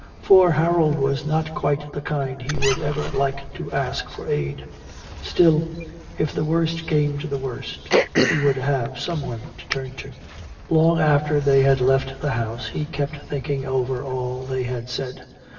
For Harold was not quite the kind he would ever like to ask for aid. Still, if the worst came to the worst, he would have someone to turn to. Long after they had left the house, he kept thinking over all they had said.